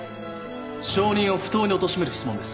証人を不当におとしめる質問です。